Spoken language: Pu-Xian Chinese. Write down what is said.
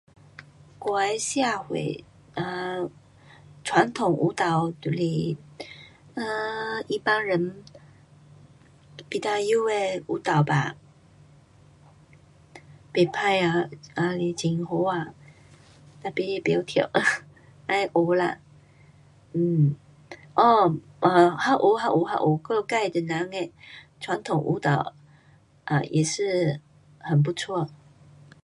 我的社会 um 传统舞蹈就是，[um]Iban 人，Bidayuh 的舞蹈吧。不错啊，也是很好看。tapi 不会跳 要学啦。um 噢，噢还有，还有，还有我们自华人的传统舞蹈。um 也是很不错。